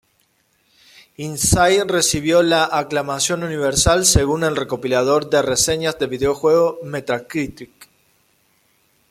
Inside recibió la aclamación universal, según el recopilador de reseñas de videojuegos Metacritic.